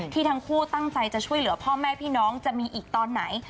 ทั้งคู่ตั้งใจจะช่วยเหลือพ่อแม่พี่น้องจะมีอีกตอนไหน